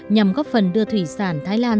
nhằm góp phần đưa thủy sản thái lan